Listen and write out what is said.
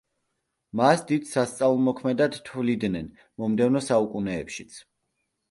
მას დიდ სასწაულმოქმედად თვლიდნენ მომდევნო საუკუნეებშიც.